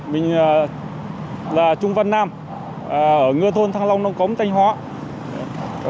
mình là trung văn nam ở ngư thôn thăng long nông cống thanh hóa